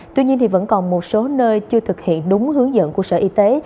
tuy nhiên vẫn còn một số nơi chưa thực hiện đúng hướng dẫn của sở y tế